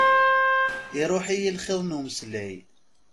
Iṛuḥ-iyi lxiḍ n umeslay.